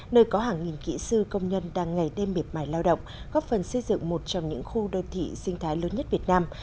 nơi có hàng nghìn kỹ sư công nhân đang ngày đêm miệt mài lao động góp phần xây dựng một trong những khu đô thị sinh thái lớn nhất việt nam